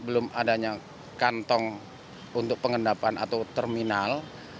belum adanya kantong untuk pengendapan atau terminal